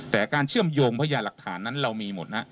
แต่การเชื่อมโยงพญาหลักฐานนั้นเรามีหมดนะ